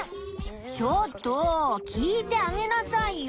ちょっと聞いてあげなさいよ。